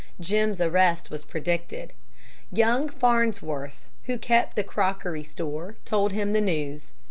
Jim's arrest was predicted. Young Farnsworth, who kept the crockery store, told him the news.